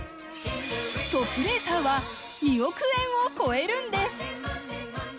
トップレーサーは２億円を超えるんです。